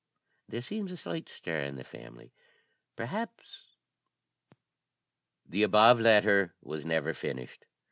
There seems a slight stir in the family; perhaps " The above letter was never finished.